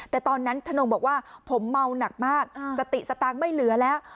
แต่ตอนนั้นธนงบอกว่าผมเมาหนักมากสติสตางค์ไม่เหลือแล้ว